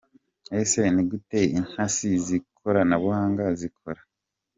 Ese ni gute intasi z’ikoranabuhanga zikora?.